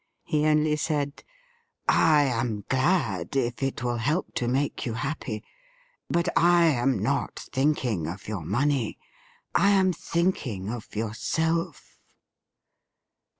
He only said :' I am glad, if it will help to make you happy ; but I am not thinking of your money — I am thinking of your self.'